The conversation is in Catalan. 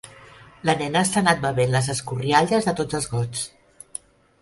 La nena s'ha anat bevent les escorrialles de tots els gots.